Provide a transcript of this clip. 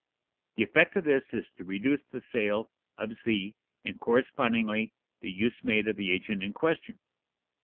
The effect of this is to reduce the sale (of z) and correspondingly the use made of the agent in question.